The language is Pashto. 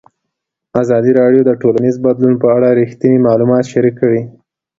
ازادي راډیو د ټولنیز بدلون په اړه رښتیني معلومات شریک کړي.